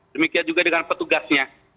demikian juga dengan petugasnya